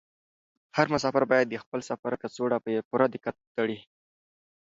هر مسافر باید د خپل سفر کڅوړه په پوره دقت وتړي.